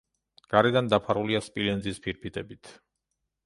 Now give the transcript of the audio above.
გარედან დაფარულია სპილენძის ფირფიტებით.